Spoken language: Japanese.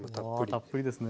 たっぷりですね。